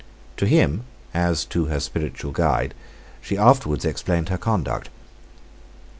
To him, as to her spiritual guide, she afterwards explained her conduct.